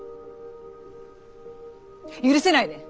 許せないね。